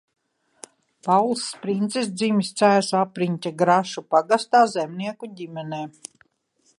Paulis Sprincis dzimis Cēsu apriņķa Grašu pagastā zemnieku ģimenē.